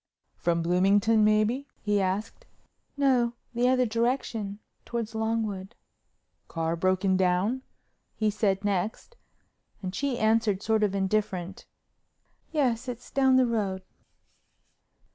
"From Bloomington maybe?" he asked. "No, the other direction—toward Longwood." "Car broken down?" he said next, and she answered sort of indifferent, "Yes, it's down the road."